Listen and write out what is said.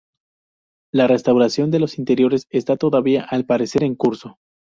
La restauración de los interiores esta todavía al parecer en curso.